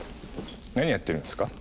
何やってるんすか？